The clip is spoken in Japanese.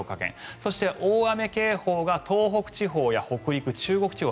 そして大雨警報が東北地方や北陸、中国地方